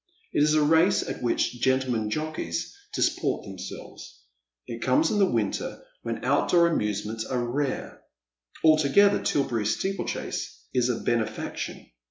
It is a race at which gentlemen jockeys disport them selves. It comes in the winter, when outdoor amusements are rare. Altogether Tilberry steeplechase is a benefaction.